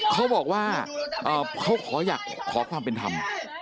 เขาบอกว่าเขาขออยากขอความเป็นธรรม